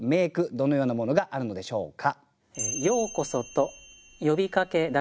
どのようなものがあるのでしょうか？